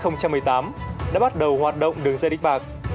năm hai nghìn một mươi tám đã bắt đầu hoạt động đường dây đánh bạc